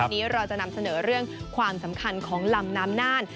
วันนี้เราจะนำเสนอเรื่องความสำคัญของลำน้ำน่าน